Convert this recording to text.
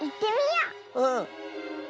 うん！